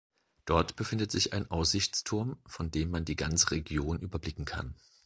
Dort befindet sich ein Aussichtsturm, von dem man die ganze Region überblicken kann.